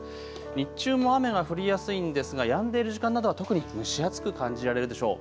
日中も雨が降りやすいんですがやんでいる時間などは特に蒸し暑く感じられるでしょう。